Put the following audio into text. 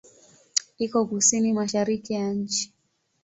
Iko kusini-mashariki ya nchi.